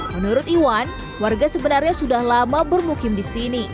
menurut iwan warga sebenarnya sudah lama bermukim di sini